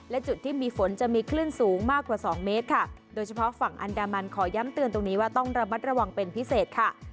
และจุดที่มีฝนจะมีคลื่นสูงมากกว่าสองเมตรค่ะโดยเฉพาะฝั่งอันดามันขอย้ำเตือนตรงนี้ว่าต้องระมัดระวังเป็นพิเศษค่ะ